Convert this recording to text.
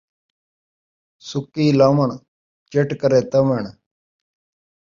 سُکی لان٘وݨ ، چٹ کرے تن٘وݨ